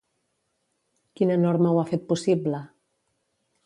Quina norma ho ha fet possible?